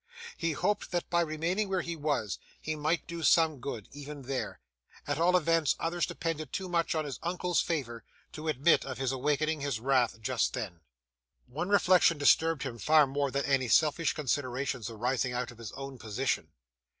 He hoped that by remaining where he was, he might do some good, even there; at all events, others depended too much on his uncle's favour, to admit of his awakening his wrath just then. One reflection disturbed him far more than any selfish considerations arising out of his own position.